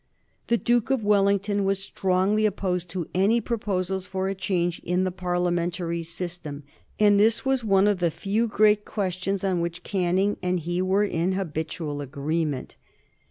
The Duke of Wellington was strongly opposed to any proposals for a change in the Parliamentary system, and this was one of the few great questions on which Canning and he were in habitual agreement.